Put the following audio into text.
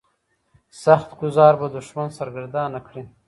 سخت ګوزار به دښمن سرګردانه کړي.